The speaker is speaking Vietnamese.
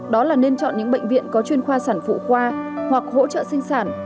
đó là nên chọn những bệnh viện có chuyên khoa sản phụ khoa hoặc hỗ trợ sinh sản